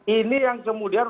ini yang kemudian